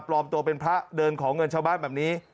ปลอมตัวเป็นพระเดินขอเงินชาวบ้านแบบนี้